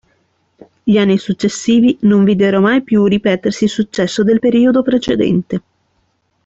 Gli anni successivi non videro mai più ripetersi il successo del periodo precedente.